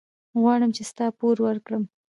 غواړم چې ستا پور ورکړم.